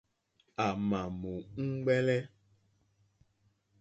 À mà mù úŋmɛ́lɛ́.